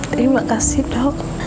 terima kasih dok